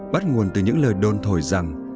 bắt nguồn từ những lời đôn thổi rằng